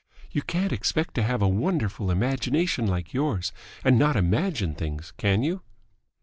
You can't expect to have a wonderful imagination like yours and not imagine things, can you?"